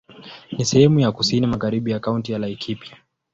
Ni sehemu ya kusini magharibi ya Kaunti ya Laikipia.